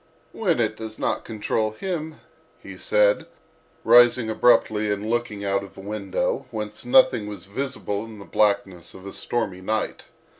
"When it does not control him," he said, rising abruptly and looking out of a window, whence nothing was visible in the blackness of a stormy night.